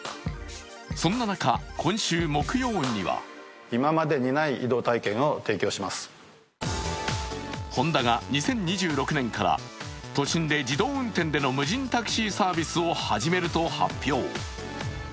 そんな中、今週木曜にはホンダは２０２６年から都心で自動運転での無人タクシーサービスを始めると発表。